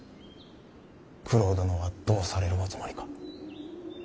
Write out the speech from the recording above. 九郎殿はどうされるおつもりか。